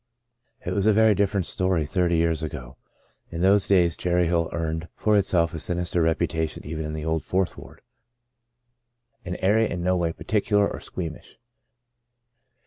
It was a very different story thirty years ago. In those days Cherry Hill earned for itself a sinister reputation even in the old fourth ward — an area in no way particular or squeamish.